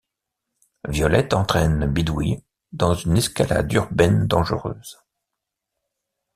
Violette entraîne Bidouille dans une escalade urbaine dangereuse.